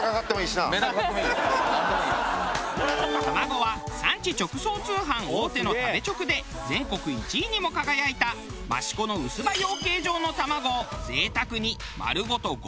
卵は産地直送通販大手の食べチョクで全国１位にも輝いた益子の薄羽養鶏場の卵を贅沢に丸ごと５個使用。